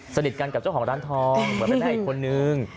สดิตกันกับเจ้าของร้านทองเหมือนไม่ได้อีกคนนึง